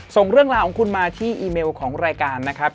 ส่งเรื่องราวของคุณมาที่อีเมลของรายการนะครับ